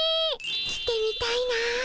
着てみたいな。